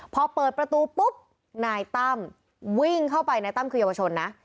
พอเปิดประตูปุ๊บนายตั้มวิ่งเข้าไปนายตั้มคือเยาวชนนะ